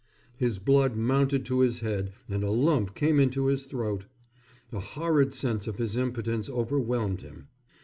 His blood mounted to his head and a lump came into his throat. A horrid sense of his impotence overwhelmed him.